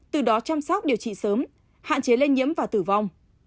từ đó chăm sóc điều trị sớm hạn chế lây nhiễm và tử vong